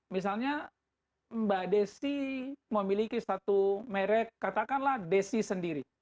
misalnya mbak desi memiliki satu merek katakanlah desi sendiri